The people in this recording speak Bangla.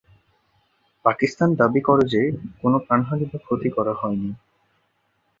পাকিস্তান দাবি করে যে কোনও প্রাণহানি বা ক্ষতি করা হয়নি।